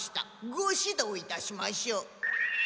ご指導いたしましょう。